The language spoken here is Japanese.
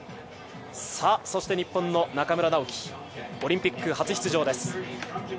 そして日本の中村直幹、オリンピック初出場です。